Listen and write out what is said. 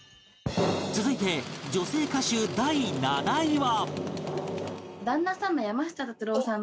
続いて女性歌手第７位は